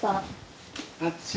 あっちい。